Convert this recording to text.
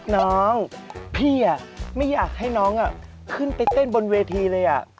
น้องพี่ไม่อยากให้น้องขึ้นไปเต้นบนเวทีเลย